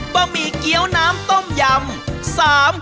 ะหมี่เกี้ยวน้ำต้มยำ